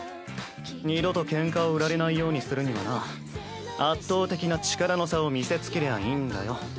二度とケンカを売られないようにするにはな圧倒的な力の差を見せつけりゃいいんだよ。